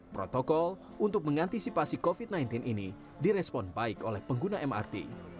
protokol untuk mengantisipasi covid sembilan belas ini direspon baik oleh pengguna mrt